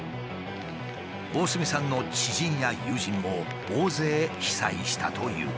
大角さんの知人や友人も大勢被災したという。